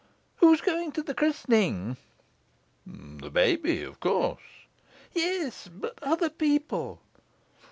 "Who is going to the christening?" "The baby, of course." "Yes; but other people?"